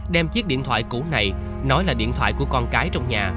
đem chiếc điện thoại cũ này nói là điện thoại của con cái trong nhà